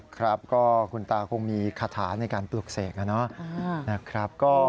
คุณตาก็คงมีคาถาในการปลุกเสกนะ